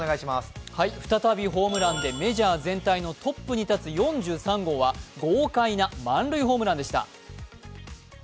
再びホームランでメジャー全体のトップに立つ４３号は豪快な満塁ホームランでした。